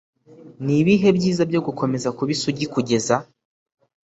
Ni ibihe byiza byo gukomeza kuba isugi kugeza